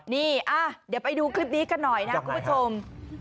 นี่เดี๋ยวไปดูคลิปนี้กันหน่อยนะคุณผู้ชม